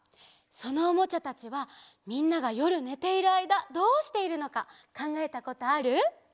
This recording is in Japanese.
そのおもちゃたちはみんながよるねているあいだどうしているのかかんがえたことある？